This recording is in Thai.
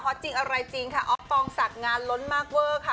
จริงอะไรจริงค่ะออฟปองศักดิ์งานล้นมากเวอร์ค่ะ